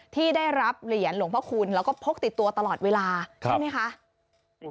ที่ได้รับเหรียญหลวงพ่อคุณแล้วก็พกติดตัวตลอดเวลาใช่ไหมคะ